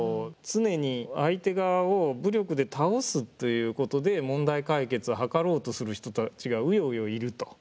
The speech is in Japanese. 常に相手側を武力で倒すということで問題解決を図ろうとする人たちがウヨウヨいると。